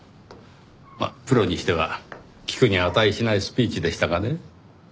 まあプロにしては聞くに値しないスピーチでしたがね。